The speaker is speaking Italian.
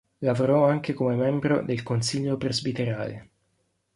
Lavorò anche come membro del Consiglio Presbiterale.